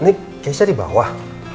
nek kese di bawah